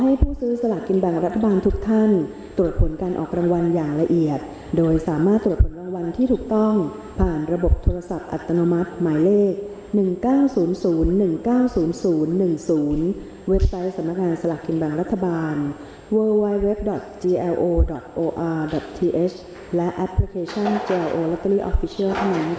ขอให้ผู้ซื้อสลักกินแบ่งรัฐบาลทุกท่านตรวจผลการออกรางวัลอย่างละเอียดโดยสามารถตรวจผลรางวัลที่ถูกต้องผ่านระบบโทรศัพท์อัตโนมัติหมายเลขหนึ่งเก้าศูนย์ศูนย์หนึ่งเก้าศูนย์ศูนย์หนึ่งศูนย์เว็บไซต์สำราคารสลักกินแบ่งรัฐบาลเวอร์ไวร์เว็บดอทจีเอลโอดอทออร